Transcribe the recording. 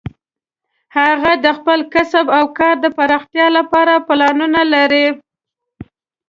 هغه د خپل کسب او کار د پراختیا لپاره پلانونه لري